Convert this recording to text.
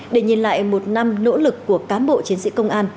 để nhìn lại một năm nỗ lực của cán bộ chiến sĩ công an